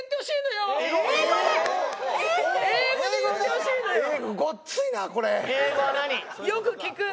よく聞く。